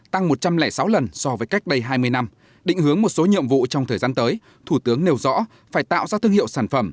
tăng một trăm linh sáu lần so với cách đây hai mươi năm định hướng một số nhiệm vụ trong thời gian tới thủ tướng nêu rõ phải tạo ra thương hiệu sản phẩm